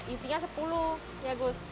isinya rp sepuluh an ya gus